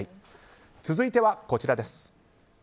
続いてはこちらです。